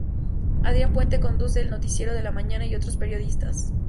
Adrián Puente conduce el noticiero de la mañana y otros periodistas.